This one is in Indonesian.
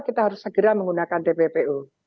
kita harus segera menggunakan tppu